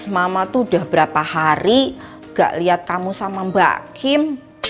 mama tuh udah berapa hari gak lihat kamu sama mbak kim